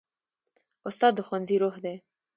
استاد د ښوونځي روح دی.